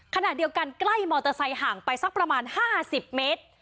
ขณะเดียวกันใกล้มอเตอร์ไซค์ห่างไปสักประมาณ๕๐เมตร